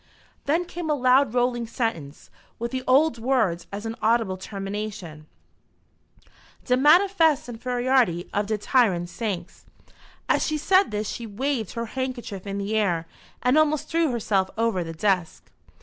Then came a loud rolling sentence, with the old words as an audible termination "de manifest infairiority of de tyrant saix!" As she said this she waved her handkerchief in the air and almost threw herself over the desk.